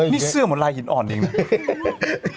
นี่เสื้อเหมือนลายหินอ่อนเองนะ